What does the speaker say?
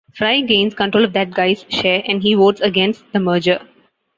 Fry gains control of That Guy's shares, and he votes against the merger.